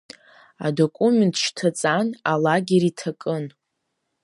Адокумент шьҭаҵан алагер иҭакын.